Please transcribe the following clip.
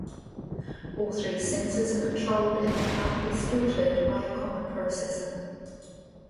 All three sensors are controlled and their outputs filtered by a common processor.